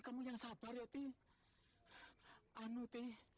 aku janji akan cari pilihan wang